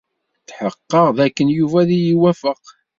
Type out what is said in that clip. Tḥeqqeɣ dakken Yuba ad iyi-iwafeq.